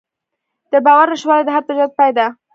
د باور نشتوالی د هر تجارت پای ده.